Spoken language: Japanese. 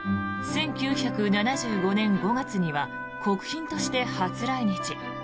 １９７５年５月には国賓として初来日。